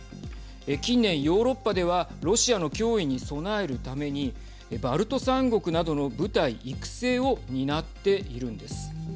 近年、ヨーロッパではロシアの脅威に備えるためにバルト３国などの部隊育成を担っているんです。